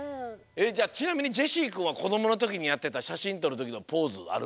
ちなみにジェシーくんはこどものときにやってたしゃしんとるときのポーズある？